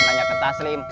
nanya ke taslim